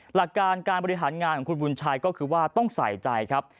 หลักการการบริหารงานของคุณบุญชัยก็คือว่าต้องใส่ใจครับ